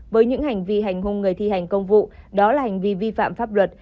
với những hành vi hành hung người thi hành công vụ đó là hành vi vi phạm pháp luật